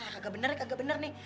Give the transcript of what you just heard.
gak bener gak bener nih